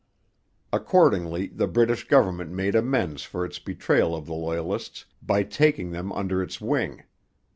Accordingly the British government made amends for its betrayal of the Loyalists by taking them under its wing.